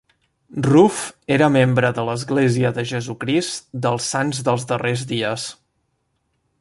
Ruff era membre de l'Església de Jesucrist dels Sants dels Darrers Dies.